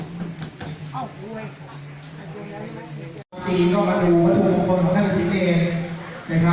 อ๋อดูไว้ผมตอนนี้ก็มาดูตัวว่าทุกคนของคุณพี่เจ๊แกล้งเสียงครับ